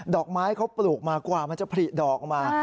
อกไม้เขาปลูกมากว่ามันจะผลิดอกออกมา